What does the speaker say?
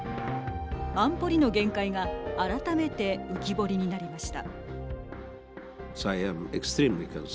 安保理の限界が改めて浮き彫りになりました。